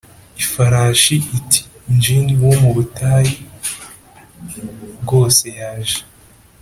ifarashi iti: 'djinn wo mu butayu bwose yaje